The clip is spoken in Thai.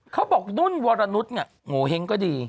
เขาบอกนุ่นวรนุษย์เนี่ยโงเห้งก็ดี